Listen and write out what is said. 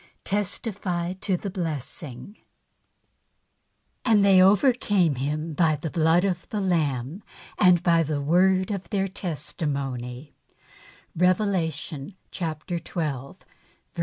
Testify to the Blessing. And they overcame him by the Blood of the Lamb^ and by the word of their testimony — Rev. xii.